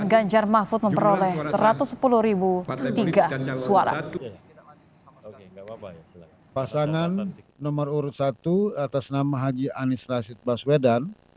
gajar mahfud dengan perolehan suara sebanyak dua puluh satu sembilan ratus enam suara